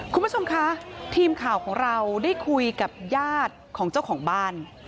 คุณผู้ชมคะทีมข่าวของเราได้คุยกับญาติของเจ้าของบ้าน